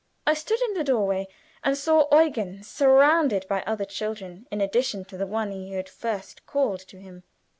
I stood in the door way and saw Eugen surrounded by other children, in addition to the one he had first called to him.